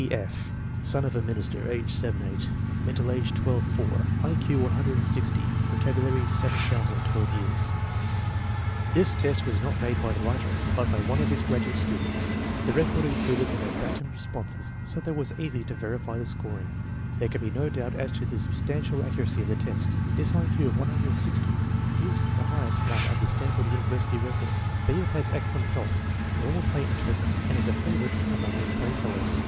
B. F. Son of a minister, age 7 8; mental age 12 b I Q 160. Vocabulary 7000 (1 years). This test was not made by the writer, but by one of his graduate stu dents. The record included the verbatim responses, so that it was easy to verify the scoring. There can be no doubt as to the substan tial accuracy of the test. This I Q of 160 is the highest one in the Stanford University records. B. F. has excellent health, normal play interests, and is a favorite among his playfellows.